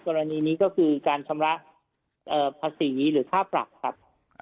กรณีนี้ก็คือการชำระภาษีหรือค่าปรับครับ